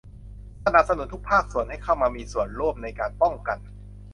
สนับสนุนทุกภาคส่วนให้เข้ามามีส่วนร่วมในการป้องกัน